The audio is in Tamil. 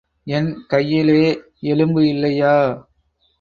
என் கையிலே எலும்பு இல்லையா?